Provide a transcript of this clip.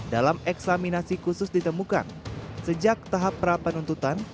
dalam eksaminasi khusus ditemukan sejak tahap perapanuntutan